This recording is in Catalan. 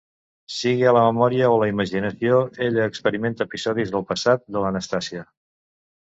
Sigui a la memòria o a la imaginació, ella experimenta episodis del passat de l'Anastasia...